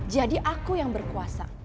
jadi aku yang berkuasa